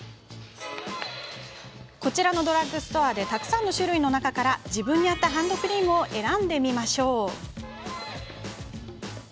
こちらのドラッグストアでたくさんの種類の中から自分に合ったハンドクリームを選んでみましょう。